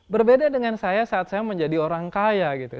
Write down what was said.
berbeda dengan saya saat saya menjadi orang kaya gitu